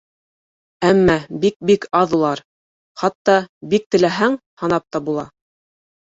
Әммә бик-бик аҙ улар, хатта, бик теләһәң, һанап та була!